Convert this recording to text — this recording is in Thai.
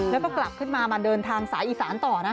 แล้วก็กลับขึ้นมามาเดินทางสายอีสานต่อนะ